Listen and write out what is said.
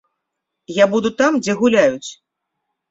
Я буду там, дзе гуляюць!